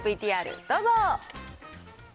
ＶＴＲ、どうぞ。